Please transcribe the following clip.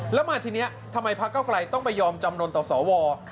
แล้วมาทีนี้ทำไมพระเก้าไกลต้องไปยอมจำนวนต่อสว